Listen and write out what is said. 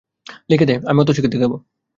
লিখে দে, আমি অতসীকে দেখাবো।